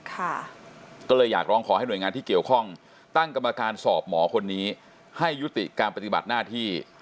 ก็เลยอยากร้องขอให้หน่วยงานที่เกี่ยวข้องตั้งกรรมการสอบหมอคนนี้ให้ยุติการปฏิบัติหน้าที่